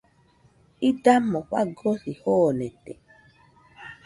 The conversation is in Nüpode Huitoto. Idamo fagosi joonete.